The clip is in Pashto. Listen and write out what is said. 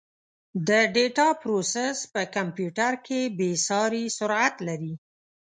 د ډیټا پروسس په کمپیوټر کې بېساري سرعت لري.